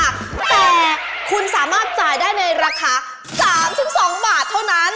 แต่คุณสามารถจ่ายได้ในราคา๓๒บาทเท่านั้น